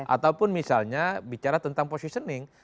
ataupun misalnya bicara tentang positioning